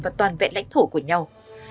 và toàn vẹn lãnh thổ của nhau